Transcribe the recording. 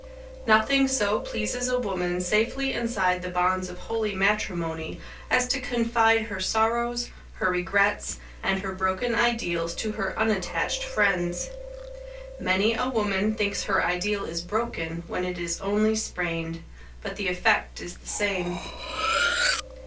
Nothing so pleases a woman safely inside the bonds of holy matrimony as to confide her sorrows, her regrets, and her broken ideals to her unattached friends. Many a woman thinks her ideal is broken when it is only sprained, but the effect is the same.